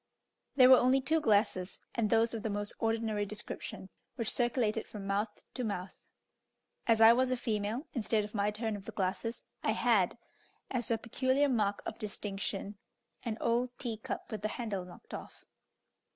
There were only two glasses, and those of the most ordinary description, which circulated from mouth to mouth; as I was a female, instead of my turn of the glasses, I had, as a peculiar mark of distinction, an old tea cup with the handle knocked off.